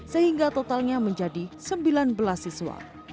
sehingga totalnya menjadi sembilan belas siswa